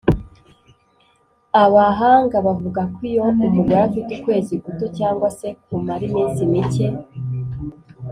Abahanga bavuga ko iyo umugore afite ukwezi guto cyangwa se kumara iminsi mike